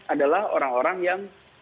adalah orang orang yang